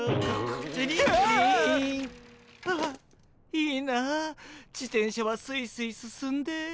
いいな自転車はスイスイ進んで。